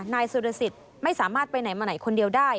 นายสุรสิทธิ์ไม่สามารถไปไหนมาไหนคนเดียวได้